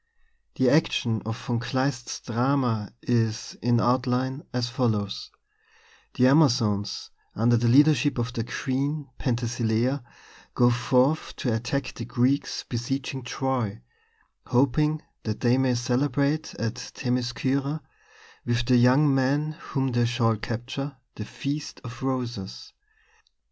The action of Von Kleist's drama is, in outline, as follows: The Amazons, under the leadership of their queen, Penthesilea, go forth to attack the Greeks besieging Troy, hoping that they may celebrate at Themiscyra, with the young men whom they shall capture, the Feast of Roses.